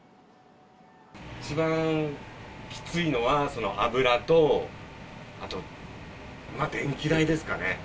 一番きついのは、油と、あと電気代ですかね。